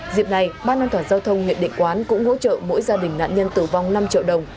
dịp này ban an toàn giao thông huyện địa quán cũng hỗ trợ mỗi gia đình nạn nhân tử vong năm triệu đồng